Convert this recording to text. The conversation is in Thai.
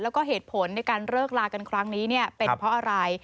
แล้วก็เหตุผลในการเลิกลากันครั้งนี้เป็นเพราะอะไร